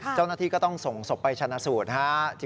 เจ้านัฐีก็ต้องส่งศพไปชนะสูตร